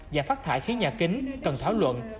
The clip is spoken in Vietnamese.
và phát thải khí nhà kính cần thảo luận